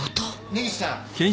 根岸さん。